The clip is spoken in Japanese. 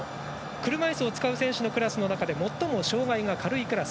車いすを使う選手の中で最も障がいの軽いクラス。